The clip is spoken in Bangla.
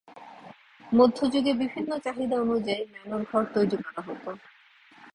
মধ্য যুগে বিভিন্ন চাহিদা অনুযায়ী ম্যানর ঘর তৈরি করা হত।